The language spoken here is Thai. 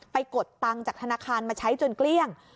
กดตังค์จากธนาคารมาใช้จนเกลี้ยง